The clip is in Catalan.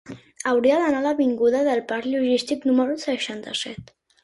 Hauria d'anar a l'avinguda del Parc Logístic número seixanta-set.